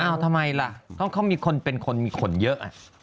อ้าวทำไมละเพราะเขามีคนมีคนเยอะ